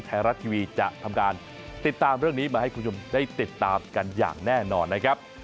ไทยรัฐทีวีจะทำการติดตามเรื่องนี้มาให้คุณผู้ชมได้ติดตามกันอย่างแน่นอนนะครับ